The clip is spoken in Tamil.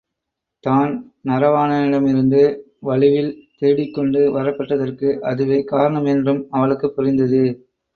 தான் நரவாணனிட மிருந்து வலுவில் திருடிக் கொண்டு வரப் பெற்றதற்கும் அதுவே காரணம் என்றும் அவளுக்குப் புரிந்தது.